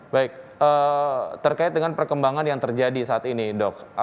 baik terkait dengan perkembangan yang terjadi saat ini dok